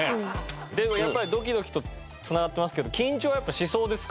やっぱり「ドキドキ」と繋がってますけど緊張やっぱしそうですか？